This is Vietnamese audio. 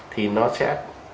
thì nó sẽ